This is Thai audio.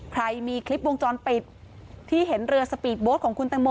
ใครมีคลิปวงจรปิดที่เห็นเรือสปีดโบ๊ทของคุณตังโม